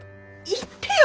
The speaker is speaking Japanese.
言ってよ